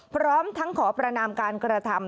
พร้อมทั้งขอประนามการกระทำ